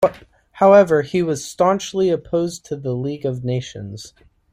However, he was staunchly opposed to the League of Nations.